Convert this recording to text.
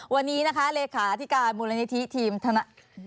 วันนี้นะคะเลขาธิการมูลนิธิทีมธน